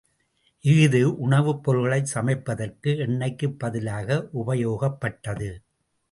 இஃது உணவுப் பொருள்களைச் சமைப்பதற்கு எண்ணெய்க்குப் பதிலாக உபயோகப்பட்டது.